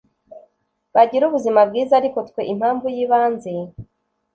bagire ubuzima bwiza Ariko twe impamvu y ibanze